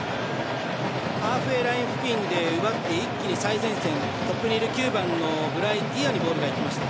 ハーフウェーライン付近でボールを奪って一気に最前線、トップにいる９番のブライ・ディアにボールがいきました。